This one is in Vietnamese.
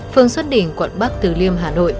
phương xuất đỉnh quận bắc từ liêm hà nội